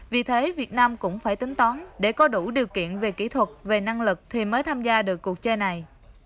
vì thế việt nam cũng phải tính toán để có đủ điều kiện về kỹ thuật về năng lực thì mới tham gia được cuộc chơi này